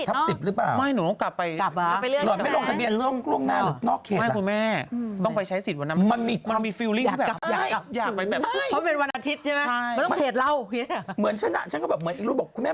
ถ้าผูกพันกับพี่เบิร์ดพี่เบิร์ดเลือกตั้งทุกครั้ง